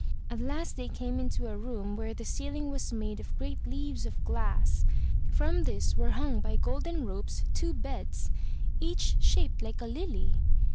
At last they came into a room where the ceiling was made of great leaves of glass; from this were hung by golden ropes two beds, each shaped like a lily.